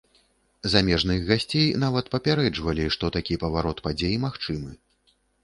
Замежных гасцей нават папярэджвалі, што такі паварот падзей магчымы.